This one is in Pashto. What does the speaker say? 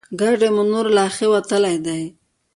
ګاډی مو نور له ښې وتلی دی.